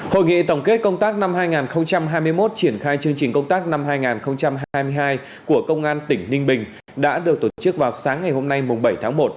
hội nghị tổng kết công tác năm hai nghìn hai mươi một triển khai chương trình công tác năm hai nghìn hai mươi hai của công an tỉnh ninh bình đã được tổ chức vào sáng ngày hôm nay bảy tháng một